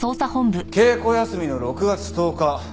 稽古休みの６月１０日